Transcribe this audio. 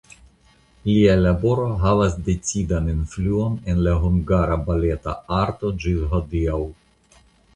Lia laboro havas decidan influon en la hungara baleta arto ĝis hodiaŭ.